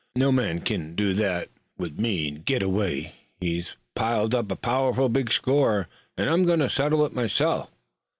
No man kin do that with me an git away. He's piled up a pow'ful big score an' I'm goin' to settle it myself."